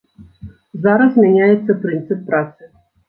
Зараз змяняецца прынцып працы.